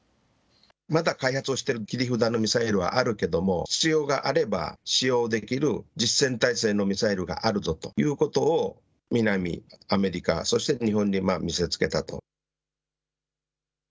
まだ開発している切り札のミサイルはあるけれども必要があれば使用できる実戦態勢のミサイルがあるということをアメリカ、日本に見せつけたと。